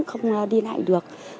không đi lại được